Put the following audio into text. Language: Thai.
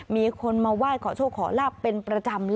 มีคนมาไหว้ขอโชคขอลาบเป็นประจำเลย